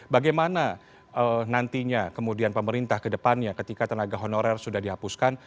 bagaimana nantinya kemudian pemerintah kedepannya ketika tenaga honorer sudah dihapuskan